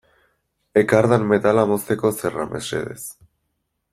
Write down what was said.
Ekardan metala mozteko zerra mesedez.